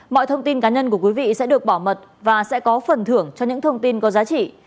mọi thông tin cá nhân của quý vị sẽ được bảo mật và sẽ có phần thưởng cho những thông tin có giá trị